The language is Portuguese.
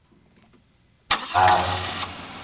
às